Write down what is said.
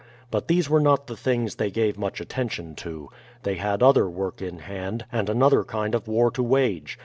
But these were not the things they gave much attention to. They had other work in hand, and another kind of war to wage.